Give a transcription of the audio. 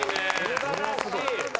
素晴らしい。